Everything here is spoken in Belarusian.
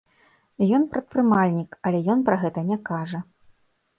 Ён прадпрымальнік, але ён пра гэта не кажа.